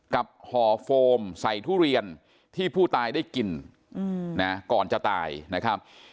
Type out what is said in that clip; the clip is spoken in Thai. ห่อโฟมใส่ทุเรียนที่ผู้ตายได้กินนะก่อนจะตายนะครับ